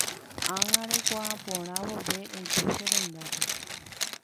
Ág̃a reikuaa porã vove eju che rendápe.